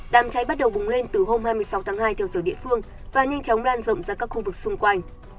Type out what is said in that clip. đám cháy bắt đầu bùng lên từ hôm hai mươi sáu tháng hai theo giờ địa phương và nhanh chóng lan rộng ra các khu vực xung quanh